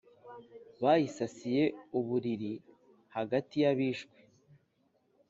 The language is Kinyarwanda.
Bayisasiye uburiri hagati y abishwe